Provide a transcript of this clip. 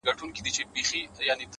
ورور مي دی هغه دی ما خپله وژني ـ